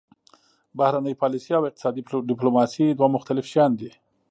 بهرنۍ پالیسي او اقتصادي ډیپلوماسي دوه مختلف شیان دي